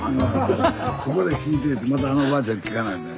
ここで聞いといてまたあのおばあちゃんに聞かな。